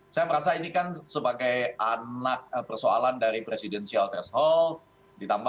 saya merasa ini kan sebagai anak persoalan dari presidential threshold